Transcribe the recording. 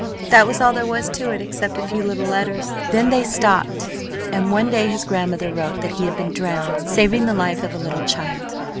That was all there was to it except a few little letters. Then they stopped, and one day his grandmother wrote that he had been drowned saving the life of a little child.